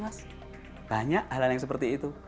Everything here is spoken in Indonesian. bukan dari kami mas banyak hal hal yang seperti itu